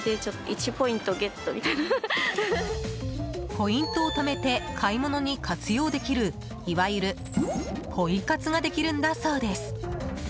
ポイントをためて買い物に活用できるいわゆるポイ活ができるんだそうです。